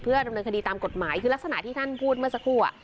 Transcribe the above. ดำเนินคดีตามกฎหมายคือลักษณะที่ท่านพูดเมื่อสักครู่